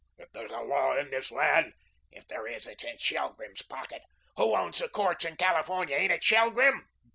"If there's a law in this land" "If there is, it is in Shelgrim's pocket. Who owns the courts in California? Ain't it Shelgrim?"